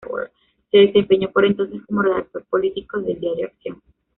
Se desempeñó por entonces como redactor político del diario "Acción".